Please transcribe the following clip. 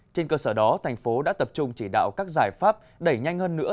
trên cơ sở đó thành phố đã tập trung chỉ đạo các giải pháp đẩy nhanh hơn nữa